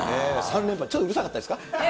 ちょっとうるさかったですか？